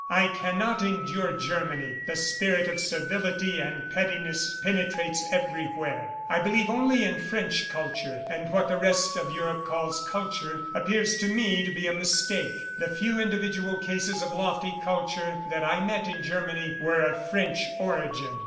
"I cannot endure Germany. The spirit of servility and pettiness penetrates everywhere. ... I believe only in French culture, and what the rest of Europe calls culture appears to me to be a mistake. The few individual cases of lofty culture that I met in Germany were of French origin."